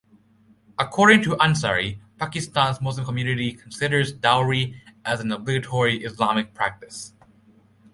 According to Ansari, Pakistan's Muslim community considers dowry as an obligatory Islamic practice.